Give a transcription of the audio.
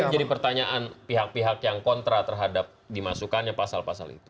itu menjadi pertanyaan pihak pihak yang kontra terhadap dimasukkannya pasal pasal itu